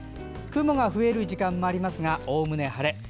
雲が増える時間もありますがおおむね晴れ。